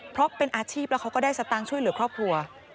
เพราะเป็นอาชีพแล้วเขาก็ได้สตางค์ช่วยเหลือครอบครัว